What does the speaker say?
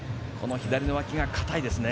左の脇が堅いですね。